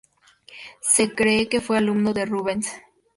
Se cree que fue alumno de Rubens.